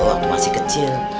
waktu masih kecil